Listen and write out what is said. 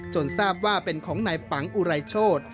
ทราบว่าเป็นของนายปังอุไรโชธ